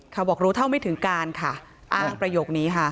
บอกรู้เท่าไม่ถึงการค่ะอ้างประโยคนี้ค่ะ